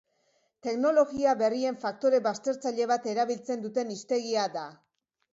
Teknologia berrien faktore baztertzaile bat erabiltzen duten hiztegia da.